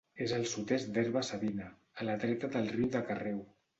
És al sud-est d'Herba-savina, a la dreta del riu de Carreu.